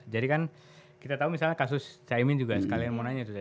jadi kan kita tau misalnya kasus cahyimin juga sekalian mau nanya gitu